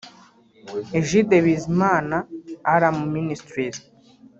Egide Bizima (Alarm Ministries)